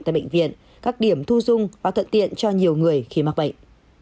tại bệnh viện các điểm thu dung và thuận tiện cho nhiều người khi mắc bệnh